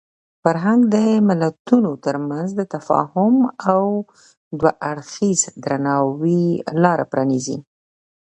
فرهنګ د ملتونو ترمنځ د تفاهم او دوه اړخیز درناوي لاره پرانیزي.